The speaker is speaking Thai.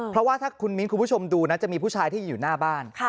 เพราะว่าถ้าคุณมิ้นคุณผู้ชมดูนะจะมีผู้ชายที่อยู่หน้าบ้าน